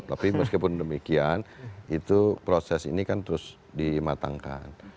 tapi meskipun demikian itu proses ini kan terus dimatangkan